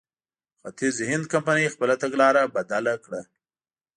ختیځ هند کمپنۍ خپله تګلاره بدله کړه.